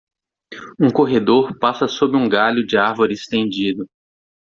Um corredor passa sob um galho de árvore estendido.